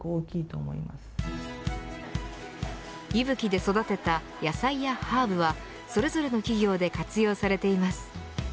ＩＢＵＫＩで育てた野菜やハーブはそれぞれの企業で活用されています。